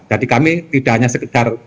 jadi kami tidak hanya sekedar